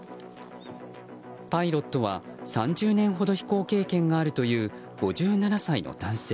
パイロットは３０年ほど飛行経験があるという５７歳の男性。